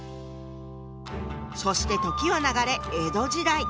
そして時は流れ江戸時代。